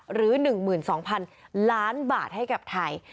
หรือ๑๒๐๐๐ล้านบาทให้กับไทย